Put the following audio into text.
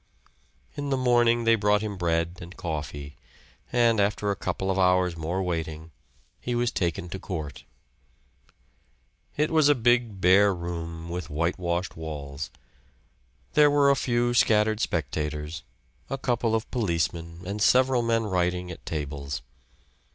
In the morning they brought him bread and coffee; and after a couple of hours' more waiting he was taken to court. It was a big bare room with whitewashed walls. There were a few scattered spectators, a couple of policemen and several men writing at tables.